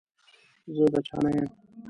زه د چا نه يم.